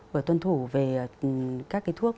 và tuân thủ về các cái thuốc